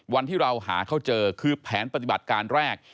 วันที่เราหาเขาเจอคือแผนปฏิบัติการแรก